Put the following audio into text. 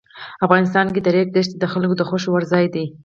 افغانستان کې د ریګ دښتې د خلکو د خوښې وړ ځای دی.